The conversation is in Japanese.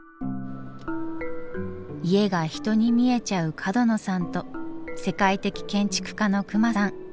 家が人に見えちゃう角野さんと世界的建築家の隈さん。